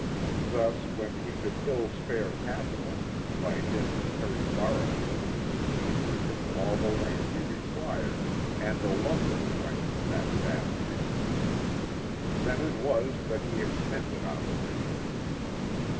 Thus, when he could ill spare capital, by dint of heavy borrowings he purchased all the land he required, and the "lumbering" rights of that vast region. Then it was that he extended operations.